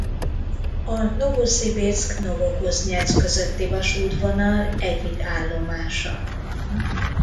A Novoszibirszk–Novokuznyeck közötti vasútvonal egyik állomása.